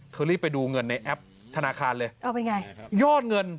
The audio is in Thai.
รีบไปดูเงินในแอปธนาคารเลยเอาเป็นไงยอดเงิน